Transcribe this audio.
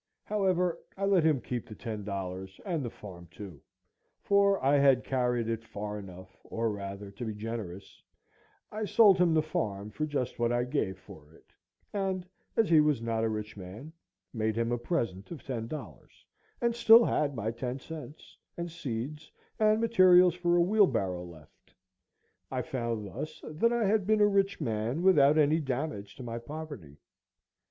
However, I let him keep the ten dollars and the farm too, for I had carried it far enough; or rather, to be generous, I sold him the farm for just what I gave for it, and, as he was not a rich man, made him a present of ten dollars, and still had my ten cents, and seeds, and materials for a wheelbarrow left. I found thus that I had been a rich man without any damage to my poverty.